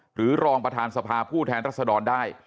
หรือรองประธานสภาผู้แทนรัศดรได้